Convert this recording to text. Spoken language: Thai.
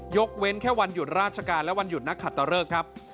เว้นแค่วันหยุดราชการและวันหยุดนักขัตตะเริกครับ